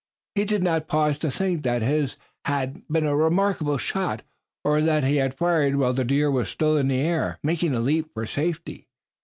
He did not pause to think that his had been a remarkable shot, or that he had fired while the deer was still in the air, making a leap for safety.